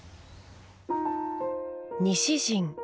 西陣。